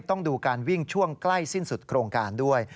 ต้องดูการวิ่งช่วงใกล้สิ้นสุดโครงการด้วย